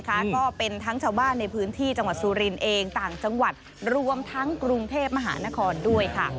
ก็เป็นทั้งชาวบ้านในพื้นที่จังหวัดสุรินเองต่างจังหวัดรวมทั้งกรุงเทพมหานครด้วยค่ะ